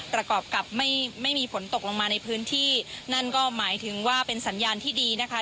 ประกอบกับไม่ไม่มีฝนตกลงมาในพื้นที่นั่นก็หมายถึงว่าเป็นสัญญาณที่ดีนะคะ